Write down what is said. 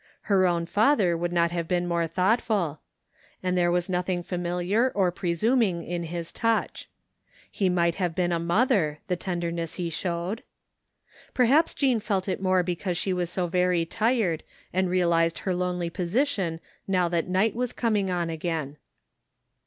Her own father could not have been more thoughtful ; and there was nothing familiar or presum ing in his touch. He might have been a mother, the tenderness he showed. Perhaps Jean felt it more be cause she was so very tired, and realized her lonely position now that night was coming on again.